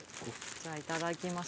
じゃあいただきます。